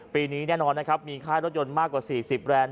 ปีนี้แน่นอนนะครับมีค่ายรถยนต์มากกว่า๔๐แรนด